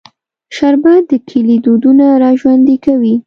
شربت د کلي دودونه راژوندي کوي